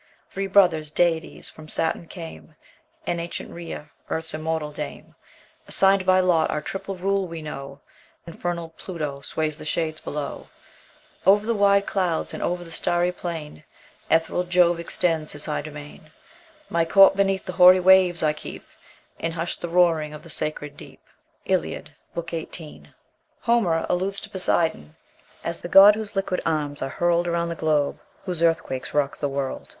Three brothers, deities, from Saturn came, And ancient Rhea, earth's immortal dame; Assigned by lot our triple rule we know; Infernal Pluto sways the shades below: O'er the wide clouds, and o'er the starry plain Ethereal Jove extends his high domain; My court beneath the hoary waves I keep, And hush the roaring of the sacred deep. Iliad, book xviii. Homer alludes to Poseidon as "The god whose liquid arms are hurled Around the globe, whose earthquakes rock the world."